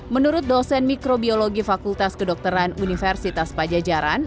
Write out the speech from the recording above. menurut dosen mikrobiologi fakultas kedokteran universitas pajajaran